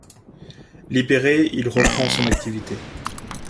Libéré, il reprend son activité.